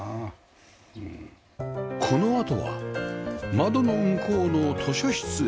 このあとは窓の向こうの図書室へ